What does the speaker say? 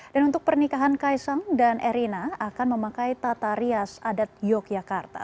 dan untuk pernikahan kaisang dan erina akan memakai tata rias adat yogyakarta